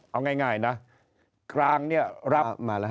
เอาง่ายนะครางเนี่ยรับ